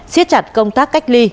xiết chặt công tác cách ly